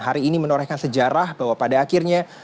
hari ini menorehkan sejarah bahwa pada akhirnya